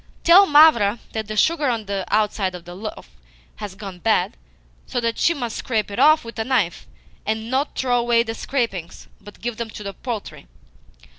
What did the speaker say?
Tell Mavra that the sugar on the outside of the loaf has gone bad, so that she must scrape it off with a knife, and NOT throw away the scrapings, but give them to the poultry.